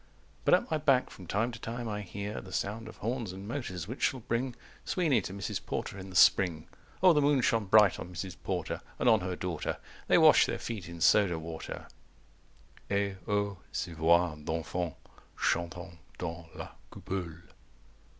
But at my back from time to time I hear The sound of horns and motors, which shall bring Sweeney to Mrs. Porter in the spring. O the moon shone bright on Mrs. Porter And on her daughter 200 They wash their feet in soda water _Et O ces voix d'enfants, chantant dans la coupole!